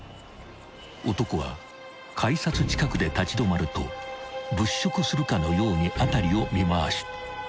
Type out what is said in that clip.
［男は改札近くで立ち止まると物色するかのように辺りを見回す］